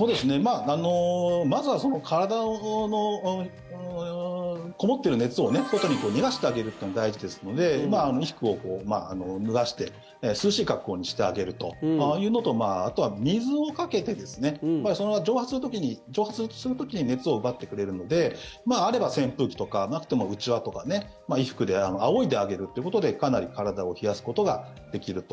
まずは体のこもっている熱を外に逃がしてあげるというのが大事ですので、衣服を脱がして涼しい格好にしてあげるというのとあとは水をかけて、蒸発する時に熱を奪ってくれるのであれば扇風機とかなくても、うちわとか衣服であおいであげるということでかなり体を冷やすことができると。